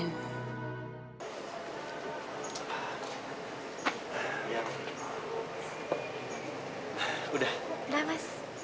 udah udah mas